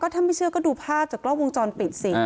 ถ้าไม่เชื่อก็ดูภาพจากกล้องวงจรปิดสิ